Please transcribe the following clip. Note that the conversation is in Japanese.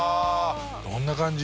どんな感じ？